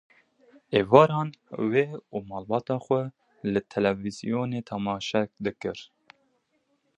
Êvaran, wê û malbata xwe li televizyonê tamaşe dikir.